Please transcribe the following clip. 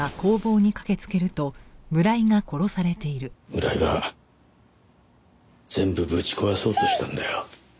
村井は全部ぶち壊そうとしたんだよ。